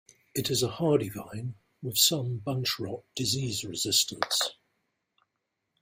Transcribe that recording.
It is a hardy vine with some bunch-rot disease resistance.